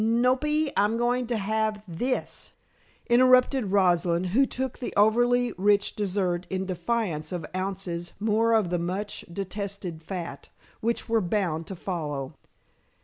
"Nop ee, I'm going to have this," interrupted Rosalind, who took the overly rich dessert in defiance of ounces more of the much detested fat, which were bound to follow.